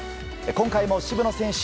今回も渋野選手